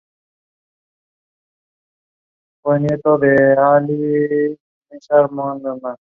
Gladiador tiene dificultad para decidir entre obedecer o Vulcan proteger Lilandra de su furia.